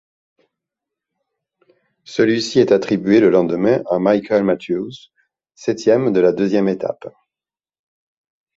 Celui-ci est attribué le lendemain à Michael Matthews, septième de la deuxième étape.